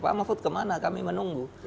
pak mahfud kemana kami menunggu